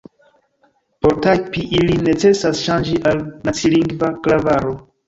Por tajpi ilin necesas ŝanĝi al nacilingva klavaro.